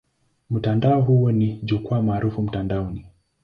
Mtandao huo ni jukwaa maarufu mtandaoni.